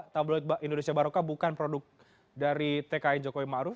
mabloid indonesia baroka bukan produk dari tki jokowi maruf